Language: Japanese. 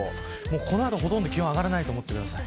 この後、ほとんど気温は上がらないと思ってください。